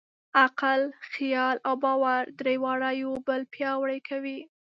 عقل، خیال او باور؛ درې واړه یو بل پیاوړي کوي.